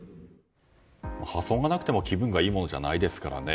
破損がなくても気分がいいものじゃないですからね。